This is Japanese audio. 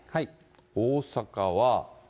大阪は。